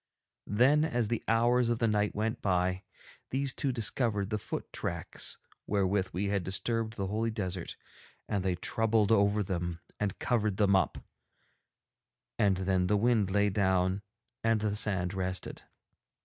Then, as the hours of the night went by, these two discovered the foot tracks wherewith we had disturbed the holy desert, and they troubled over them and covered them up; and then the wind lay down and the sand rested.